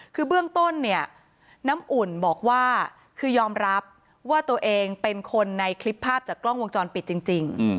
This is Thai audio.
คือเบื้องต้นเนี่ยน้ำอุ่นบอกว่าคือยอมรับว่าตัวเองเป็นคนในคลิปภาพจากกล้องวงจรปิดจริง